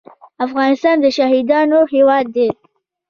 افغانستان د شهیدانو هیواد دی